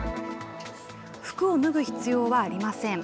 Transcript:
服を脱ぐ必要はありません。